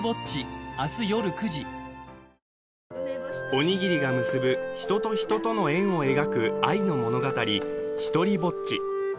おにぎりが結ぶ人と人との縁を描く愛の物語「ひとりぼっち」